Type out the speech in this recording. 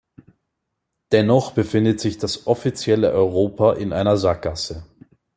Dennoch befindet sich das offizielle Europa in einer Sackgasse.